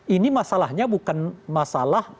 ini masalahnya bukan masalah